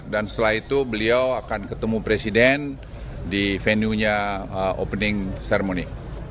dan setelah itu beliau akan ketemu presiden di venue nya opening ceremony